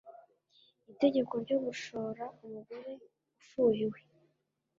itegeko ryo gushora umugore ufuhiwe